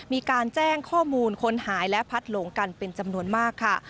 มีการแจ้งข้อมูลคนหายและพัดหลงกันเป็นจำนวนมากค่ะ